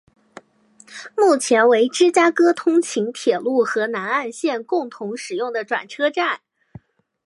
目前为芝加哥通勤铁路和南岸线共同使用的转车站。